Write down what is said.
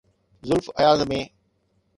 زلف اياز ۾.